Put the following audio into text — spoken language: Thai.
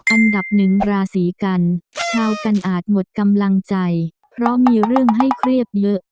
อันดับหนึ่งราศีกันชาวกันอาจหมดกำลังใจเพราะมีเรื่องให้เครียดเยอะ